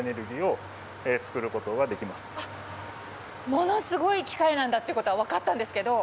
ものすごい機械なんだってことは分かったんですけど。